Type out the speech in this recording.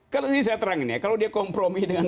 kalau saya terangkan kalau dia kompromi dengan